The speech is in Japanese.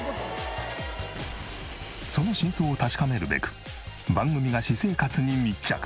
その真相を確かめるべく番組が私生活に密着。